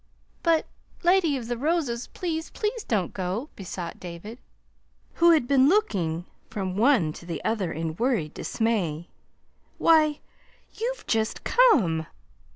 "But, Lady, of the Roses, please, please, don't go," besought David, who had been looking from one to the other in worried dismay. "Why, you've just come!"